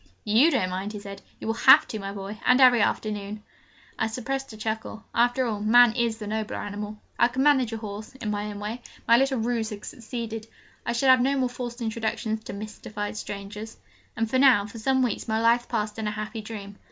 'You don't mind!' he said; 'you will have to, my boy, and every afternoon!' I suppressed a chuckle: after all, man is the nobler animal. I could manage a horse in my own way. My little ruse had succeeded: I should have no more forced introductions to mystified strangers. And now for some weeks my life passed in a happy dream.